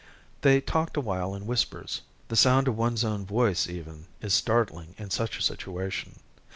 They talked awhile in whispers. The sound of one's own voice even is startling in such a situation.